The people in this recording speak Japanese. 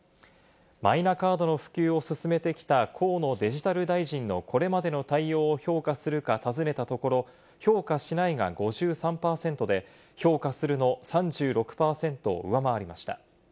マイナカードの普及を進めてきた河野デジタル大臣のこれまでの対応を評価するかたずねたところ、評価しないが５３％で、評価するの３６％を上回りました。